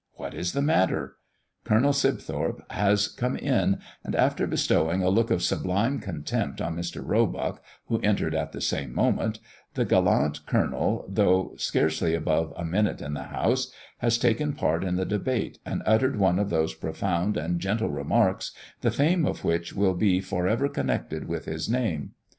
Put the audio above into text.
What is the matter? Colonel Sibthorp has come in, and, after bestowing a look of sublime contempt on Mr. Roebuck, who entered at the same moment, the gallant colonel, though scarcely above a minute in the House, has taken part in the debate, and uttered one of those profound and gentle remarks, the fame of which will be for ever connected with his name.